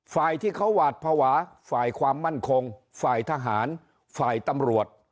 ฝ่ายที่เขาหวาดภาวะฝ่ายความมั่นคงฝ่ายทหารฝ่ายตำรวจ